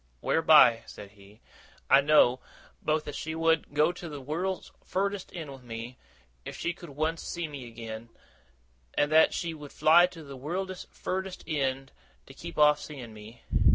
'Whereby,' said he, 'I know, both as she would go to the wureld's furdest end with me, if she could once see me again; and that she would fly to the wureld's furdest end to keep off seeing me.